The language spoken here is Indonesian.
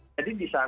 jadi di sana